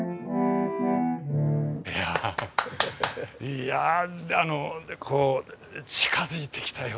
いやこう近づいてきたような。